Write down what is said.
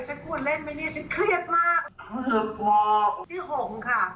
ฉันพูดเล่นไหมนี่ฉันเครียดมาก